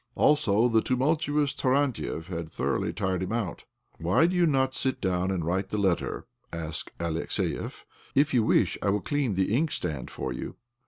Also, the tumultuous Tarantiev had thoroug'hly tired him out. " Why do you not sit down and write the letter? " asked Alexiev. " If you wish I will clean the inkstand for you."